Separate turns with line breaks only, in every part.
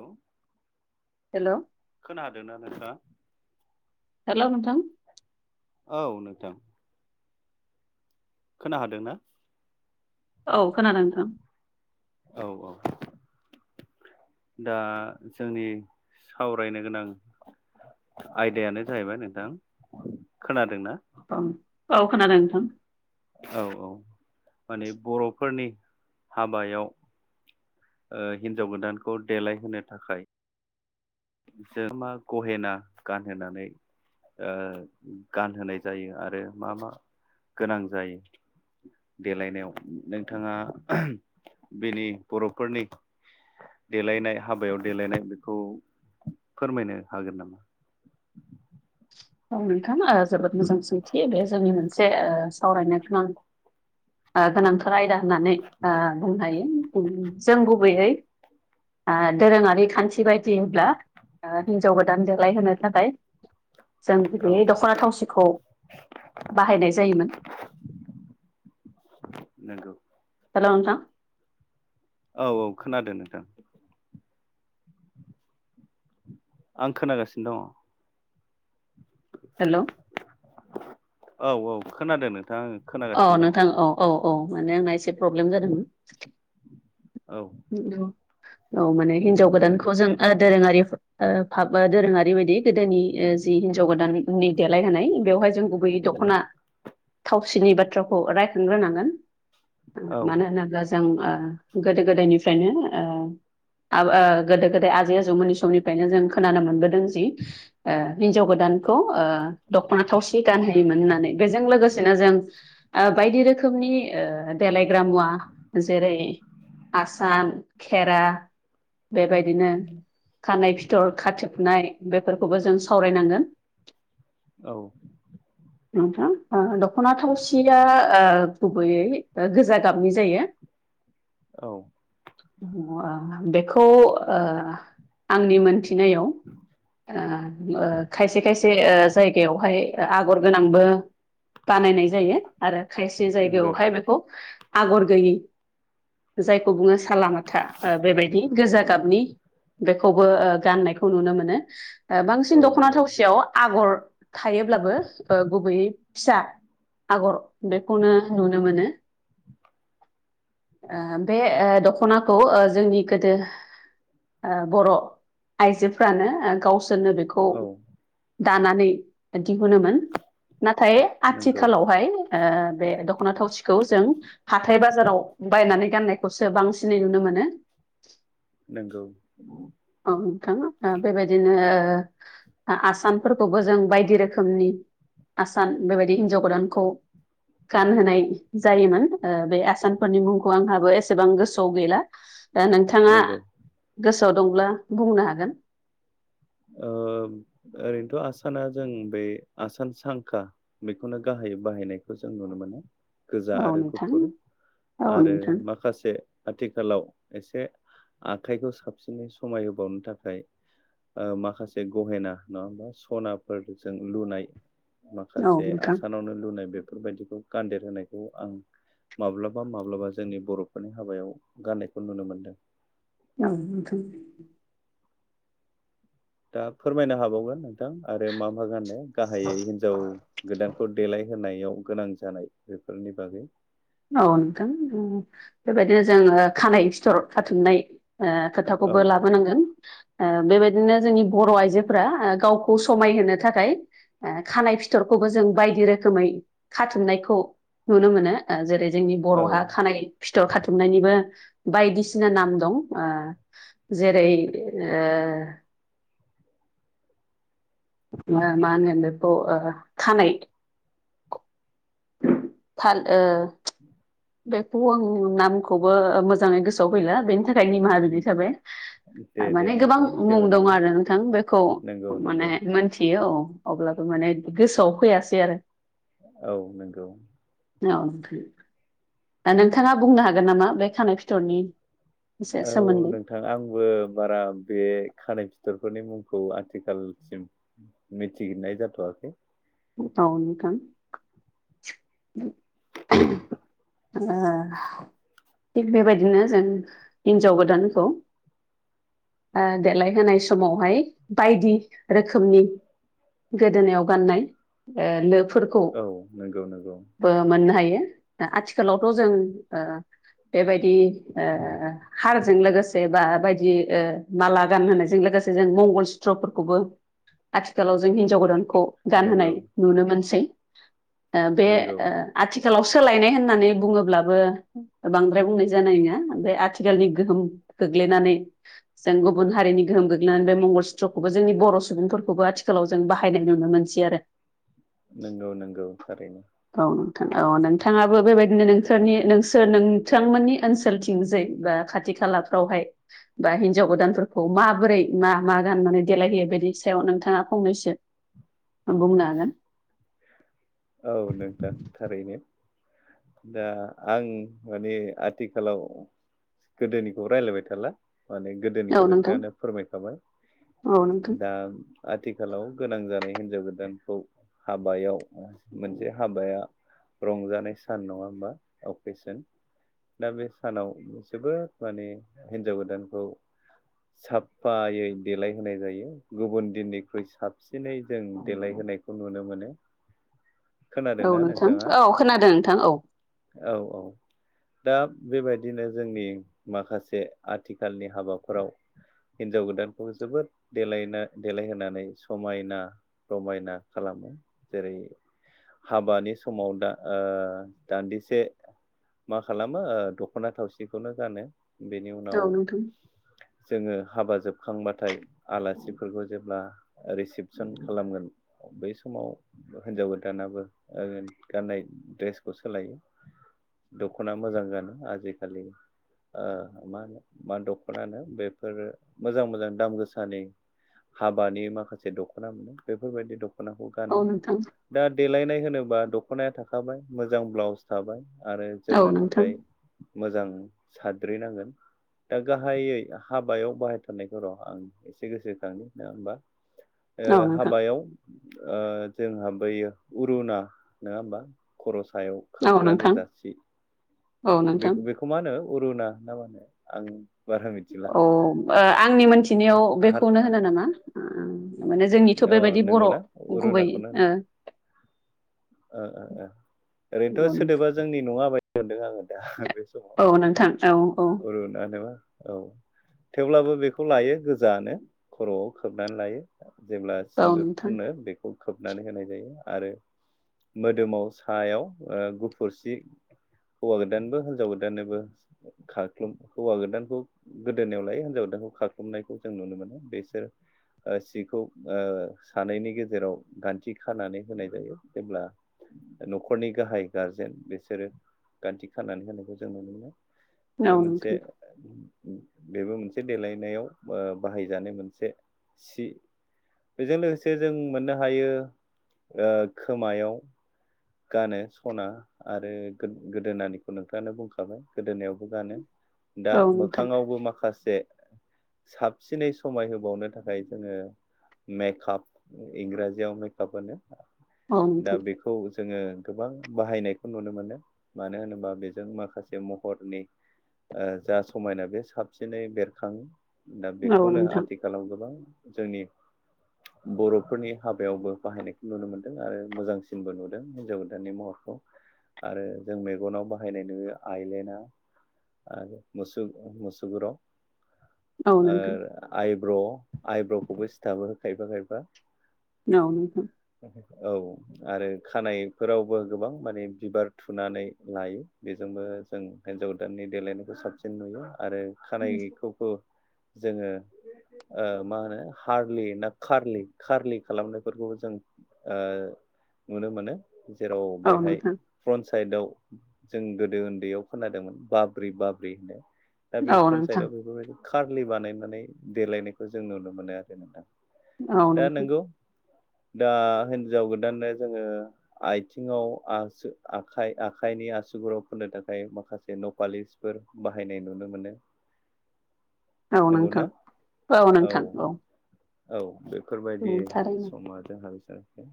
औ
हेलौ
खोना हादोना नोंथाङा?
हेलौ नोंथां
औ नोंथां। खोनाहादोंना?
औ खोनादों नोंथां।
औ औ। दा जोंनि सावरायनो गोनां आयदायानो जाहैबाय नोंथां खोनादोंना
औ औ खोनादों नोंथां।
औ औ माने बर'फोरनि हाबायाव ओ हिन्जाव गोदानखौ देलायहोनो थाखाय। जों मा गहेना गानहोनानै ओ गानहोनाय जायो आरो मा मा गोनां जायो। देलायनायाव नोंथाङा बेनि बर'फोरनि देलायनाय हाबायाव देलायनाय बेखौ फोरमायनो हागोन नामा?
औ नोंथां जोबोद मोजां सोंथि बे जोंनि मोनसे सावरायनाय गोनां ओ गोनांथार आयदा होननानै बुंनो हायो। जों गुबैयै ओ दोरोङारि बायदिब्ला हेनजाव गोदान देलायहोनो थाखाय जों
औ
गैयै दख'ना थावसिखौ बाहायनाय जायोमोन
नंगौ।
हेल' नोंथां‌।
औ औ खोनादों नोंथां। आं खोनागासिनो दङ'।
हेल'।
औ औ खोनादों नोंथां।
अ
खोनागासिनो
नोंथां औ औ औ माने आंना एसे प्रब्लेम जादोंमोन।
औ‌।
औ माने हिनजाव गोदानखौ जों आरो दोरोङारि ओ दोरोङारि बायदि गोदोनि जि हिनजाव गोदाननि देलायहनाय बेवहाय जों गुबैयै दं दखना थावसिनि बाथ्राखौ राय ग्रोनांगोन
औ
मानो होनोब्ला जों ओ गोदो गोदायनि फ्रायनो ओ आब ओ गोदो गोदाय आजै आजौ मोननि समनि फ्रायनो जों खोनानो मोनबोदों जि ओ हिनजाव गोदानखौ ओ दख'ना थावसि सि गानहोयोमोन होननानै बेजों लोगोसेनो जों ओ बायदि रोखोमनि ओ देलायग्रा मुवा जेरै आसान खेरा बेबायदिनो खानाय फिथर खाथोबनाय बेफोरखौबो जों सावरायनांगोन
औ।
नोंथां ओ दख'ना थावसिया ओ गुबैयै ओ गोजा गाबनि जायो।
औ।
बेखौ ओ आंनि मोनथिनायाव ओ ओ खायसे खायसे ओ जायगायावहाय ओ आगर गोनांबो बानायनाय जायो। आरो खायसे
नंगौ
जायगायावहाय बेखौ आगर गैयि खौ बुङो सालामाथा ओ बेबायदि गोजा गाबनि खौबो ओ गाननायखौ नुनो मोनो ओ बांसिन
औ
दख'ना
नंगौ
थावसियाव आगर थायोब्लाबो ओ गुबैयै फिसा आगर बेखौनो नुनो मोनो। ओ बे दख'नाखौ ओ जोंनि गोदो ओ बर' आइजोफ्रानो ओ गावसोरनो बे
औ
खौ दानानै दिहुनोमोन। नाथाय
नंगौ
आथिखालावहाय ओ बे दख'ना थावसिखौ जों हाथाय बाजाराव बायनानै गाननाय खौसो बांसिनै नुनो मोनो।
नंगौ।
औ नोंथां ओ बेबायदिनो ओ आसाम फोरखौबो जों बायदि रोखोमनि आसान बेबायदि हिनजाव गोदानखौ गानहोनाय जायोमोन ओ बे आसानफोरनि मुंखौ आंहाबो एस सेबां गोसोआव गैला दा नोंथाङा
नंगौ
गोसोआव दंब्ला बुंनो हागोन।
ओ ओरैनोथ' आसाना जों बे आसान सांखा बेखौनो गाहायै बाहायनायखौ जों नुनो मोनो। गोजा
औ
आरो
नोंथां
गुफुर
औ
आरो
नोंथां
माखासे आथिखालाव एसे आखाइखौ साबसिनै समाय होबावनो थाखाय ओ माखासे गहेना नङा होमबा सनाफोरजों लुनाय
औ
माखासे
नोंथां
आसानावनो लुनाय बेफोरबायदिखौ गान्देर होनायखौ आं माब्लाबा माब्लाबा जोंनि बर'फोरनि हाबायाव गाननायखौ नुनो मोनदों।
औ नोंथां।
दा फोरमायनो हाबावगोन नोंथां आरो मा मा गानो गाहायै हिनजाव गोदानखौ देलायहोनायाव गोनां जानाय बेफोरनि बागै।
औ नोंथां बेबायदिनो जोङो खानाय सिथर खाथुमनाय ओ
औ
खोथाखौबो लाबोनांगोन। ओ बेबायदिनो जोंनि बर' आइजोफ्रा ओ गावखौ समायहोनो थाखाय ओ खानाय फिथरखौबो जों बायदि रोखोमै खाथुमनायखौ नुनो मोनो। ओ जेरै जोंनि
औ
बर'हा खानाय फिथर खाथुमनायनिबो बायदिसिना नाम दं ओ जेरै ओ मा मा होनगोन बेखौ ओ खानाय थाल ओ
[unintelligible]
बेखौ आं नामखौबो मोजाङै गोसोआव गैला बेनि थाखाय निमाहा बिनाय थाबाय।
दे दे
थारमाने गोबां
नोंथां
मुं
जेबो
दं
नङा
आरो नोंथां बेखौ
नंगौ
माने
नंगौ
मोनथि [unintelligible] अब्लाबो माने गोसोआव फैयासै आरो।
औ नंगौ।
[unintelligible] दा नोंथाङा बुंनो हागोन नामा बे खानाय फिथरनि एसे
औ नों
सोमोन्दै
नोंथां आंबो बारा बे खानाय फिथरफोरनि मुंखौ आथिखालसिम मिथिनाय जाथ'आखै।
औ नोंथां। [unintelligible] थिग बेबायदिनो जों हिन्जाव गोदानखौ ओ देलायहोनाय समावहाय बायदि रोखोमनि। गोदोनायाव गाननाय ओ लोफोर
औ नंगौ नंगौ।
बो मोननो हायो आथिखालावथ' जों ओ बेबायदि ओ। हारजों लोगोसे बा बायदि ओ माला गान होनायजों लोगोसे जों मंगल सत्रफोरखौबो। आथिखालाव जों हिन्जाव गोदानखौ गानहोनाय
नंगौ
नुनो मोनसै बे।
नंगौ
आथिखालाव सोलायनाय होननानै बुङोब्लाबो। बांद्राय बुंनाय जानाय नङा ओमफ्राय आथिखालनि गोहोम खग्लैनानै। जों गुबुन हारिनि गोहोम गोग्लैनानै बे मंगल सुत्रखौबो जोंनि बर' सुबुंफोरखौबो आथिखालाव। जों बाहायनाय नुनो मोनसै आरो।
नंगौ नंगौ थारैनो।
औ नोंथां औ बेबायदिनो नोंसोर नोंथांमोननि ओनसोलथिंजै बा। खाथि खालाफ्रावहाय। बा हिन्जाव गोदानफोरखौ माबोरै मा मा गाननानै देलायहैयो बेनि सायाव नोंथाङा फंनैसो। बुंनो हागोन।
औ नोंथां थारैनो। दा आं माने आथिखालाव। गोदोनिखौ रायज्लायबाय थाला माने। गोदोनिखौ
औ नोंथां
नोंथाङानो फोरमायखाबाय
औ नोंथां
दा। आथिखालाव गोनां जानाय हिनजाव गोदानखौ। हाबायाव मोनसे हाबाया रंजानाय सान नङा होमबा अकेसन। दा बे सानाव माने गोदानखौ। साफायै देलायहोनाय जायो गुबुन दिननिख्रुइ साबसिनै जों देलायहोनाय। खौ नुनो मोनो।
औ
खोनादोंना
नोंथां
नोंथाङा
औ खोनादों नोंथां औ।
औ औ। दा बेबायदिनो जोंनि माखासे आथिखालनि हाबाफोराव। हिनजाव गोदानखौ जोबोद देलायना देलायहोनानै समायना। रमायना खालामो। जेरै हाबानि समाव दा दान्दिसे। मा खालामो दख'ना थावसिखौनो जानो बेनि उनाव।
औ नोंथां
जोङो हाबा जोबखांबाथाय आलासिफोरखौ जेब्ला। रिसिपसन खालामगोन बै समाव। हिन्जाव गोदानाबो गाननाय द्रेसखौ सोलायो। दखना मोजां गानो आजिखालि ओ मा होनो मा दखनानो बेफोरो मोजां मोजां दाम गोसानि हाबानि माखासे दखना मोनो बेफोरबायदि दखनाखौ
औ
गानो
नोंथां
दा देलायनाय होनोबा दखनाया थाखाबाय मोजां ब्लाउस थाबाय। आरो
औ
जोमनो
नोंथां
थाखाय मोजां साद्रिनांगोन। दा गाहायै हाबायाव बाहायथारनायखौ र आं एसे गोसोखांनि नङा हबा ओ
औ नोंथां
हाबायाव ओ जोंहा बैयो अरुना नङा होमबा खर सायाव
औ
खोबग्रा
नोंथां
गोजासि
औ
बे
नोंथां
बेखौ मा होनो अरुना होनना मा होनो आं बारा मिथिला
औ आंनि मोनथिनायाव बेखौनो
हार
होनो नामा माने जोंनिथ
अ
बेबायदि बर
नंगौना
गुबै
अरुनाखौनो होनो
ओ
ओ ओ ओओरैनोथ सोदोबा जोंनि नङाबायदि मोनदों आङो दा
औ नोंथां औ औ
समाव ररुुन होनोबा औ थेवब्लाबो बेखौ लायो गोजानो खरआव खोबनानै लायो जेब्ला
औ
सिन्दुर
नोंथां
खुनो बेखौ खोबनानै होनाय जायो आरो मोदोमाव सायाव ओ गुफुरसि हौवा गोदानबो हिनजाव गोदाननिबो खाख्लुम हौवा गोदानखौ गोदोनायाव लायो हिनजाव गोदानखौ खख्लुमनायखौ जों नुनो मोनो बेसोर ओ सि खौ ओ सानैनि गेजेराव गान्थि खानानै होनाय जायो जेब्ला न'खरनि गाहाय गारजेन बेसोरो गान्थि खानानै होनायखौ जों नुनो मोनो।
औ
बे मोनसे
नोंथां
बेबो मोनसे देलायनायाव ओ बाहायजानाय मोनसे सि बेजों लोगोसे जों मोननो हायो ओ खोमायाव गानो स'ना आरो गोद-गोदोनानिखौ नोंथाङानो बुंखाबाय गोदोनायावबो गानो। दा
औ नोंथां
मोखाङावबो माखासे साबसिनै समाय होबावनो थाखाय जोङो मेखाब इंराजियाव मेकआप होनो
औ
दा बेखौ जोङो गोबां बाहायनायखौ नुनो मोनो मानो होनोबा बेजों माखासे महरनि ओ जा समायना बे साबसिनै बेरखाङो दा बेखौनो
नोंथां
आथि खालाव गोबां जोंनि बर'फोरनि हाबायावबो बाहायनायखौ नुनो मोनदों आरो मोजांसिनबो नु दों हिनजाव गोदाननि महरखौ आरो जों मेगनाव बाहायनाय नुयो आइलेना आरो मसुग-मुसुगुराव
औ नोंथां
आरो आइब्र' आइब्र'खौबो सिथाबो खायफा खायफा।
नौ नोंथां।
[unintelligible] औ आरो खानायफोरावबो गोबां माने बिबार थुनानै लायो बेजोंबो जों हिन्जाव गोदाननि देलायनायखौ साबसिन नुयो आरो खानायखौबो जोङो ओ मा होनो हारलि ना खारलि खारलि खालामनायफोरखौबो जों ओ नुनो मोनो जेराव
औ
बेहाय
नोंथां
फ्रन साइडआव जों गोदो उन्दैयाव खोनादोंमोन बाब्रि बाब्रि होननाय। दा बे
औ
फ्रन साइदआव
नोंथां
बेफोरबायदि खारलि बानायनानै देलायनायखौ जों नुनो मोनो आरो नोंथां।
औ नोंथां औ
दा नोंगौ दा हिन्जाव गोदाननो जोङो आइथिङाव आसो आखाइ आखाइनि आसुगुराव फोननो थाखाय माखासे नपालिस फोर बाहायनाय नुनो मोनो। नंगौ ना
नोंथां
औ। औ बेफोरबायदि
औ थारैनो
समा जोंहाबो जानो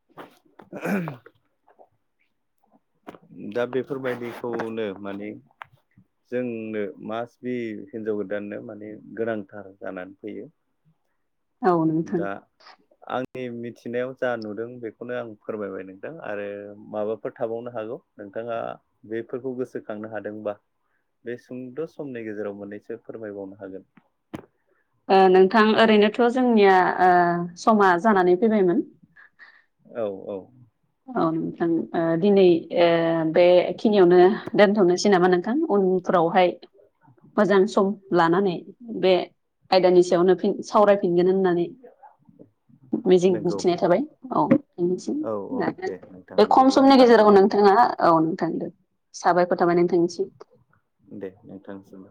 [unintelligible] दा बेफोरबायदिखौनो माने जोंनो मास बि हिनजाव गोदाननो माने गोनांथार जानानै फैयो।
औ नोंथां
दा आंनि मिथिनायाव जा नुदों बेखौनो आं फोरमायबाय नोंदों आरो माबाफोर थाबावनो हागौ नोंथाङा बेफोरखौ गोसोखांनो हादोंबा बे सुंद' समनि गेजेराव मोननैसो फोरमायबावनो हागोन।
ओ नोंथां ओरैनोथ' जोंनिया ओ समा जानानै फैबायमोन।
औ औ।
ओम ओं ओ दिनै ओ बेखिनियावनो दोनथ'नोसै नामा नोंथां उनफ्रावहाय मोजां सम लानानै बे आयदानि सायावनो फिन सावरायफिनगोन होननानै मिजिं
नंगौ
थिनाय थाबाय औ नोंथांनिसिम।
औ औ दे नोंथां
बे खम
बिदिब्ला
समनि गेजेराव
लाखिदिनि
नोंथाङा औ नोंथां दे साबायखर थाबाय नोंथांनिसिम।
दे नोंथांसि बो